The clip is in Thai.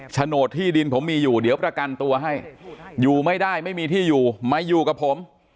โฉนดที่ดินผมมีอยู่เดี๋ยวประกันตัวให้อยู่ไม่ได้ไม่มีที่อยู่มาอยู่กับผม